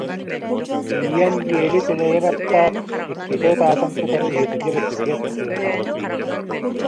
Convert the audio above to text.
Тиийэн диэли тэлэйэ баттаат, иккитэ ытаатын кытары иһирдьэ бэстилиэт тыаһа баһырҕаабыт